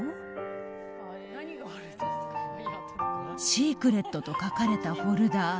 「シークレット」と書かれたフォルダー。